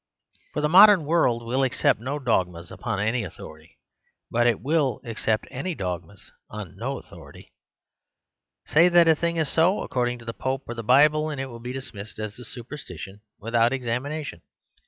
For the modern world will accept no dogmas upon any authority; but it will accept any dogmas upon no authority. Say that a thing is so, according to the Pope or the Bible, and it will be dismissed as a superstition without examination.